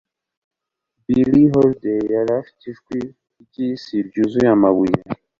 Billie Holliday yari afite ijwi ryisi, ryuzuye amabuye